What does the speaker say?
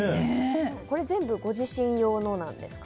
全部ご自身用なんですか？